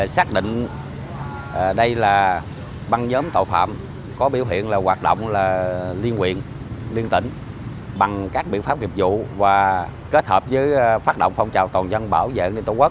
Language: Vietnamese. xác định đây là băng nhóm tội phạm có biểu hiện hoạt động liên quyện liên tỉnh bằng các biện pháp nghiệp vụ và kết hợp với phát động phong trào toàn dân bảo vệ liên tổ quốc